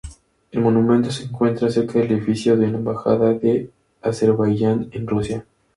El monumento se encuentra cerca del edificio de embajada de Azerbaiyán en Rusia.